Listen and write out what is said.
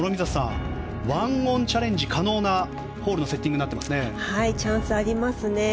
諸見里さん、１オンチャレンジ可能なホールのセッティングにチャンスありますね。